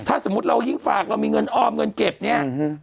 ถ้าสมมุติเรายิ่งฝากเรามีเงินออมเงินเก็บเนี่ย